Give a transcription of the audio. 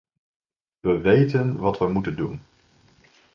We weten wat we moeten doen.